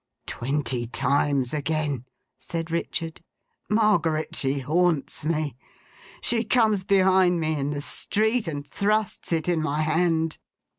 'Twenty times again,' said Richard. 'Margaret, she haunts me. She comes behind me in the street, and thrusts it in my hand.